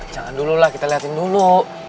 jangan dululah kita liatin dulu